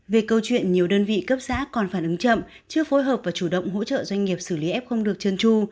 về câu chuyện nhiều đơn vị cấp xã còn phản ứng chậm chưa phối hợp và chủ động hỗ trợ doanh nghiệp xử lý ép không được chân tru